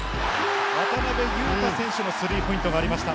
渡邊雄太選手のスリーポイントがありました。